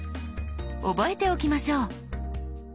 覚えておきましょう。